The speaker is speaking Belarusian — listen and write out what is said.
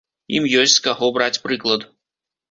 Ім ёсць з каго браць прыклад.